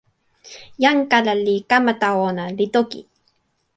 jan kala li kama tawa ona, li toki: